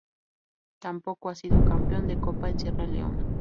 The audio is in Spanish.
Tampoco ha sido campeón de Copa en Sierra Leona.